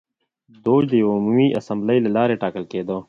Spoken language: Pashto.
دوج د یوې عمومي اسامبلې له لوري ټاکل کېده.